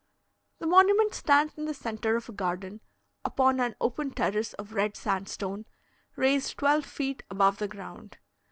The monument stands in the centre of a garden, upon an open terrace of red sandstone, raised twelve feet above the ground.